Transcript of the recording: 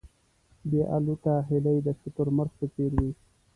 بې الوته هیلۍ د شتر مرغ په څېر وې.